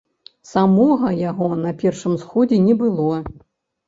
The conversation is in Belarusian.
Самога яго на першым сходзе не было.